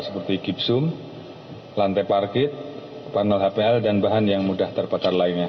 seperti gipsum lantai parkir panel hpl dan bahan yang mudah terbakar lainnya